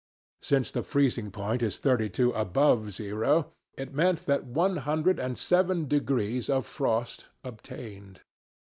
Since the freezing point is thirty two above zero, it meant that one hundred and seven degrees of frost obtained.